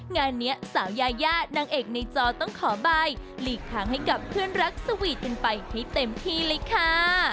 งานนี้สาวยายานางเอกในจอต้องขอใบหลีกทางให้กับเพื่อนรักสวีทกันไปให้เต็มที่เลยค่ะ